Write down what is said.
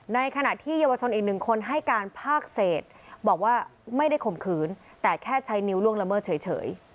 ในขณะที่เยาวชนอีกหนึ่งคนให้การภาคเศษบอกว่าไม่ได้ข่มขืนแต่แค่ใช้นิ้วล่วงละเมิดเฉย